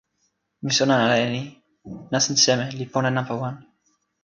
mi sona ala e ni: nasin seme li pona nanpa wan.